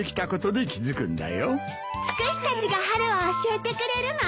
ツクシたちが春を教えてくれるのね！